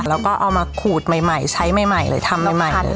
แล้วก็เอามาขูดใหม่ใหม่ใช้ใหม่ใหม่เลยทำใหม่ใหม่เลย